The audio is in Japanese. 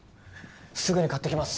すぐに買ってきます。